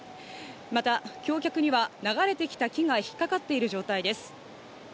また橋脚には流れてきた木が引っ掛かっている状態です。